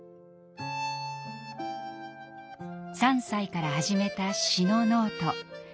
３歳から始めた詩のノート。